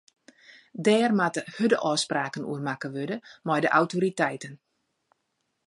Dêr moatte hurde ôfspraken oer makke wurde mei de autoriteiten.